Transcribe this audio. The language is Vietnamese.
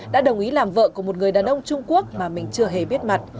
đã đồng ý làm vợ của một người đàn ông trung quốc mà mình chưa hề biết mặt